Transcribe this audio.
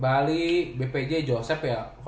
bali bpj joseph ya